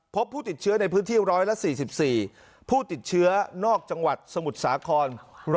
พบผู้ติดเชื้อในพื้นที่๑๔๔ผู้ติดเชื้อนอกจังหวัดสมุทรสาคร